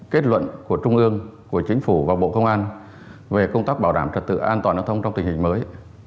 kết luận của trung ương của chính phủ và bộ công an về công tác bảo đảm trật tự an toàn giao thông trong tình hình mới